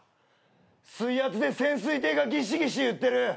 水圧で潜水艇がギシギシいってる。